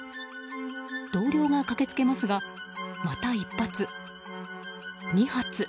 同僚が駆けつけますがまた１発、２発。